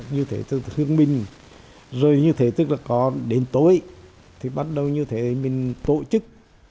như thế tức là thương bình rồi như thế tức là có đến tối thì bắt đầu như thế mình tổ chức